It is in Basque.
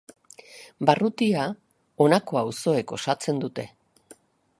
Barrutia honako auzoek osatzen dute.